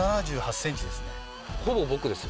ほぼ僕ですよ。